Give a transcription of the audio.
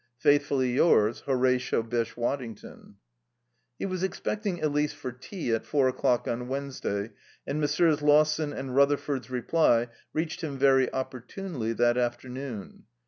Faithfully yours, "HORATIO BYSSHE WADDINGTON." He was expecting Elise for tea at four o'clock on Wednesday, and Messrs. Lawson and Rutherford's reply reached him very opportunely that afternoon.